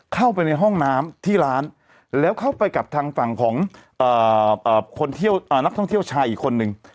เข้าไปในห้องน้ำที่ร้านแล้วเข้าไปกับทางฝั่งของนักท่องเที่ยวชายอีกคนนึง